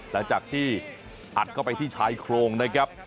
หลังจากที่อัดเข้าไปที่ชายโครงนะครับ